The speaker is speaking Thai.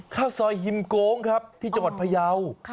ข้าวซอยฮิมโกงครับที่จังหวัดพยาว